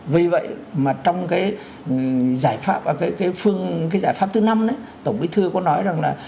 vì vậy mà trong cái giải pháp cái giải pháp thứ năm ấy tổng bí thư có nói rằng là